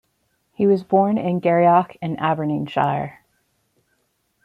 He was born in Garioch in Aberdeenshire.